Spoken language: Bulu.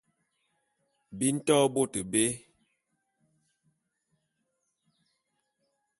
Bi nto bôt bé.